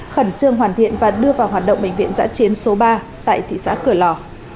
khẩn trương hoàn thiện và đưa vào hoạt động bệnh viện giã chiến số ba tại thị xã cửa lò